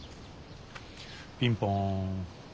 ピンポン。